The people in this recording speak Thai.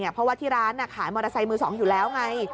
เพราะว่าที่ร้านขายมอเตอร์ไซค์มือ๒อยู่แล้วไง